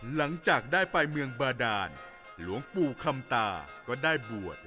หลังจากได้ไปเมืองบาดานหลวงปู่คำตาก็ได้บวช